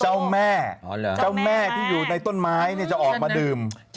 เจ้าแม่เจ้าแม่ที่อยู่ในต้นไม้จะออกมาดื่ม